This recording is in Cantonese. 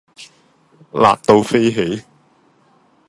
辣到飛起